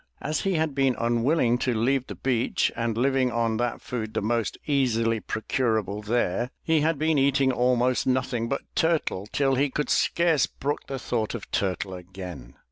As he had been unwilling to leave the beach and living on that food the most easily procurable there, he had been eating almost nothing but turtle, till he could scarce brook the thought of turtle again.